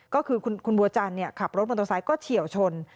ก็คือคุณบัวจันทร์ขับรถมอเตอร์ไซค์ก็เฉียวชน